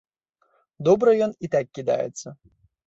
Добра ён і так кідаецца.